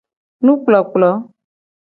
Nukplokplo.